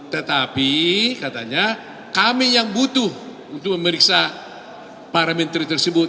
tetapi katanya kami yang butuh untuk memeriksa para menteri tersebut